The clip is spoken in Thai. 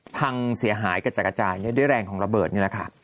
พังเสียหายกระจัดกระจายด้วยแรงของระเบิดนี่แหละค่ะ